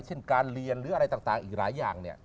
เช่นการเรียนหรืออะไรต่างอีกหลายอย่าง